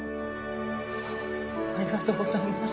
ありがとうございます。